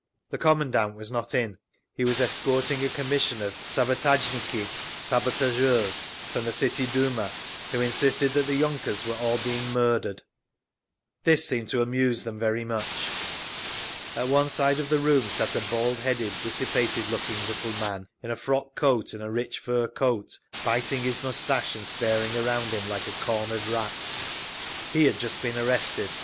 The commandant was not in; he was escorting a commission of "sabotazhniki" (sabotageurs) from the City Duma, who insisted that the yunkers were all being murdered. This seemed to amuse them very much. At one side of the room sat a bald headed, dissipated looking little man in a frock coat and a rich fur coat, biting his moustache and staring around him like a cornered rat. He had just been arrested.